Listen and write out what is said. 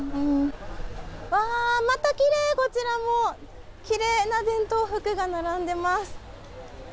またきれい、こちらもきれいな伝統服が並んでいます。